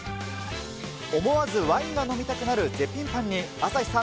思わずワインが飲みたくなる絶品パンに、朝日さん